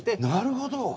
なるほど。